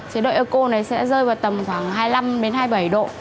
chế độ eco này sẽ rơi vào tầm khoảng hai mươi năm đến hai mươi bảy độ